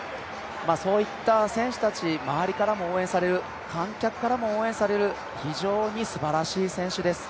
そういった選手たち、周りからも応援される、観客からも応援される非常にすばらしい選手です。